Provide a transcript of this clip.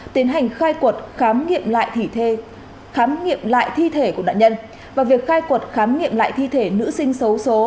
tiến hành khai cuộc khám nghiệm lại thi thể của nạn nhân và việc khai cuộc khám nghiệm lại thi thể nữ sinh xấu số